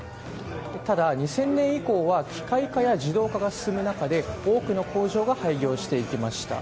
ただ、２０００年以降は機械化や自動化が進む中で多くの工場が廃業していきました。